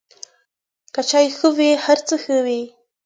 که چای ښه وي، هر څه ښه وي.